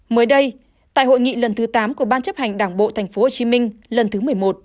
mới đây tại hội nghị lần thứ tám của ban chấp hành đảng bộ tp hcm lần thứ một mươi một